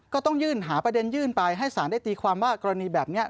ก็ต้องยื่นหาประเด็นยื่นไปให้สารได้ตีความว่ากรณีแบบนี้